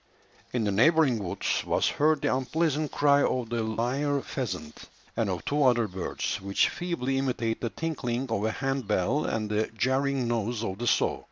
In the neighbouring woods was heard the unpleasant cry of the lyre pheasant and of two other birds, which feebly imitate the tinkling of a hand bell and the jarring noise of the saw.